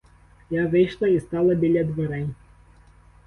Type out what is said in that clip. Я вийшла і стала біля дверей.